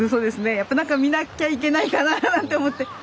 やっぱ何か見なきゃいけないかななんて思って。